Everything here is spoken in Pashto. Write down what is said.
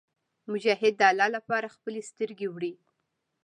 مجاهد د الله لپاره خپلې سترګې وړي.